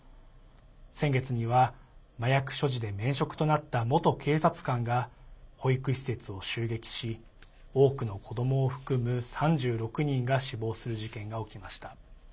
先月には麻薬所持で免職となった元警察官が保育施設を襲撃し多くの子どもを含む３６人が死亡する事件が起きました。